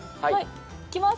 いきます。